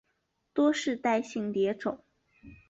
多世代性蝶种。